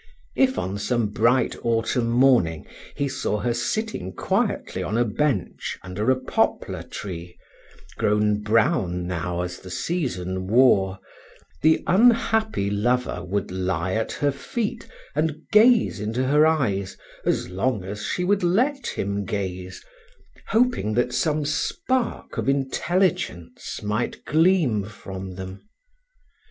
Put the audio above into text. If on some bright autumn morning he saw her sitting quietly on a bench under a poplar tree, grown brown now as the season wore, the unhappy lover would lie at her feet and gaze into her eyes as long as she would let him gaze, hoping that some spark of intelligence might gleam from them.